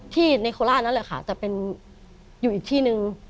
ที่เนโคล่านั่นเลยค่ะแต่เป็นอยู่อีกที่นึง